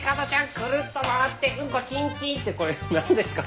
くるっと回ってうんこちんちんってこれ何ですか？